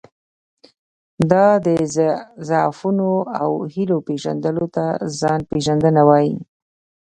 دا د ضعفونو او هیلو پېژندلو ته ځان پېژندنه وایي.